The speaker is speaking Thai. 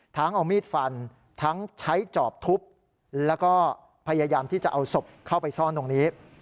เอามีดฟันทั้งใช้จอบทุบแล้วก็พยายามที่จะเอาศพเข้าไปซ่อนตรงนี้